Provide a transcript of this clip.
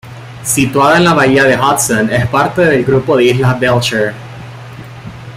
Situada en la bahía de Hudson, es parte del grupo de islas Belcher.